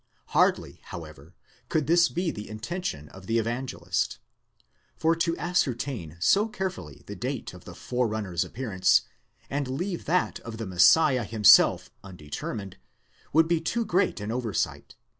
Hardly, however, could this be the intention of the Evangelist. For to ascertain so carefully the date of the Forerunner's appearance, and leave that of the Messiah himself undeter mined, would be too great an oversight